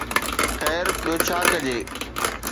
خير، ٻيو ڇا ڪجي؟